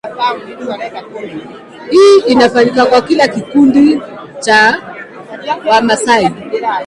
Hii inafanyika kwa kila kikundi cha Wamasai